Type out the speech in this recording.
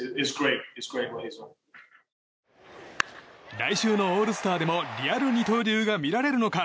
来週のオールスターでもリアル二刀流が見られるのか。